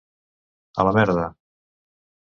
A la merda!